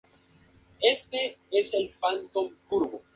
Cuando lo rescataron estaba consciente y preguntaba por su familia.